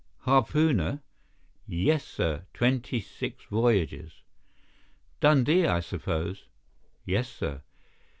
"Harpooner?" "Yes, sir. Twenty six voyages." "Dundee, I suppose?" "Yes, sir."